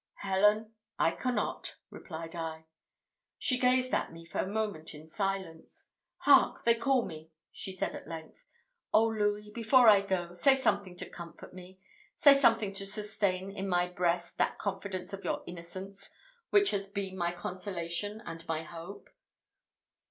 "Helen, I cannot," replied I. She gazed at me for a moment in silence. "Hark! they call me," said she at length. "Oh, Louis, before I go, say something to comfort me; say something to sustain in my breast that confidence of your innocence which has been my consolation and my hope."